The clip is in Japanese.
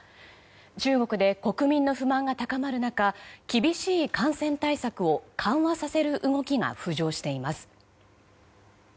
中国で国民の不満が高まる中厳しい感染対策を緩和させる動きが浮上しています。